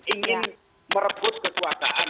ingin merebut kesuasaan